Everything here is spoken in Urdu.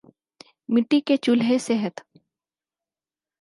مٹی کے چولہے صحت